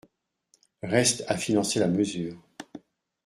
Reste à financer la mesure.